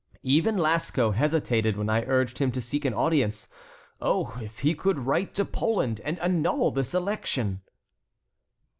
"Even Lasco hesitated when I urged him to seek an audience. Oh, if he could write to Poland and annul this election!"